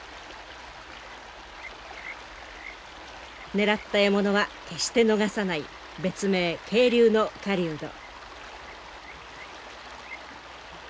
狙った獲物は決して逃さない別名渓流の狩人。